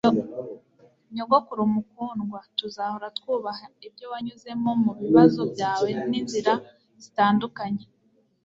nyogokuru mukundwa, tuzahora twubaha ibyo wanyuzemo mubibazo byawe n'inzira zitandukanye